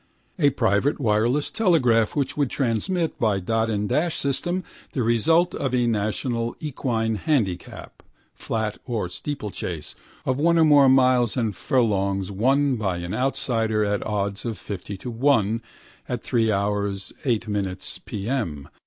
A private wireless telegraph which would transmit by dot and dash system the result of a national equine handicap (flat or steeplechase) of 1 or more miles and furlongs won by an outsider at odds of 50 to 1 at 3 hr 8 m p.m.